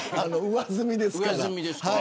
上澄みですから。